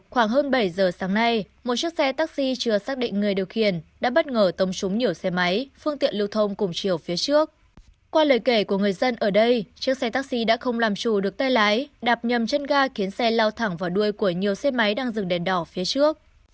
qua lời kể của người dân ở đây chiếc xe taxi đã không làm trù được tay lái đạp nhầm chân ga khiến xe lao thẳng vào đuôi của nhiều xe máy đang dừng đèn đỏ phía trước